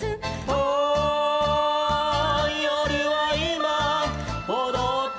「ああよるはいまおどってる」